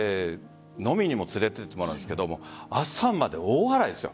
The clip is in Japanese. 飲みにも連れてってもらったんですけども朝まで大笑いですよ